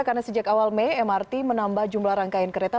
karena sejak awal mei mrt menambah jumlah rangkaian kereta